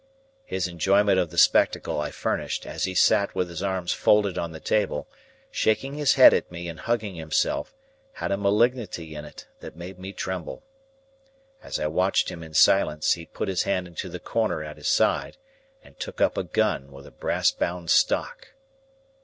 His enjoyment of the spectacle I furnished, as he sat with his arms folded on the table, shaking his head at me and hugging himself, had a malignity in it that made me tremble. As I watched him in silence, he put his hand into the corner at his side, and took up a gun with a brass bound stock.